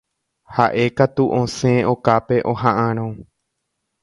Ha'ékatu osẽ okápe oha'ãrõ.